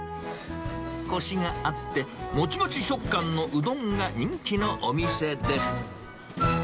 こしがあって、もちもち食感のうどんが人気のお店です。